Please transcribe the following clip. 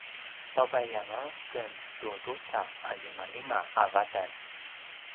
pavaiyanga ken tu drusa a limalima a vatan